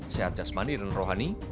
sehat jasmani dan rohani